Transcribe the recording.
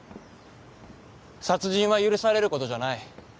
殺人は許されることじゃない。